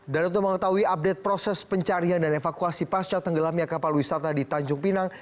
dan untuk mengetahui update proses pencarian dan evakuasi pasca tenggelamnya kapal wisata di tanjung pinang